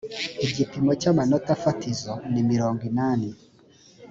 igipimo cy’ amanota fatizo ni mironginani.